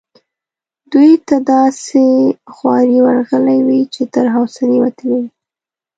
دوی ته داسي خوارې ورغلي وې چې تر حوصلې وتلې وي.